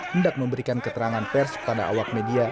hendak memberikan keterangan pers kepada awak media